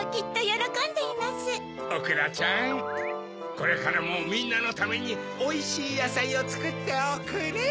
これからもみんなのためにおいしいやさいをつくっておくれ！